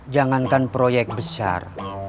jangankan proyek besar